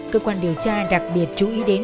cơ quan điều tra đặc biệt chú ý đến